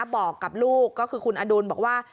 บอกกับลูกก็คือคุณอดุลบอกว่า